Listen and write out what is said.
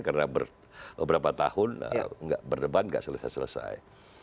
karena beberapa tahun berdeban gak selesai selesai